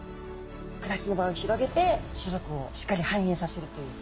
暮らしの場を広げて種族をしっかりはんえいさせるという。